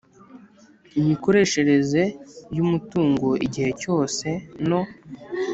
imikoresherezey umutungo igihe cyose no